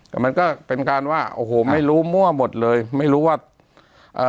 แต่มันก็เป็นการว่าโอ้โหไม่รู้มั่วหมดเลยไม่รู้ว่าเอ่อ